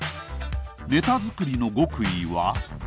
ネタ作りの極意は？